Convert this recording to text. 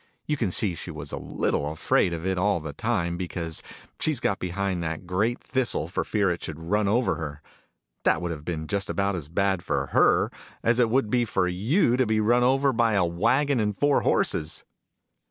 You can see she was a little afraid of it, all the time, because she's got behind that great thistle, for fear it should run over her. That would have been just about as bad, for her , as it would be for you to be run over by a waggon and four horses